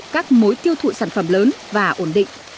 liên hệ các mối tiêu thụ sản phẩm lớn và ổn định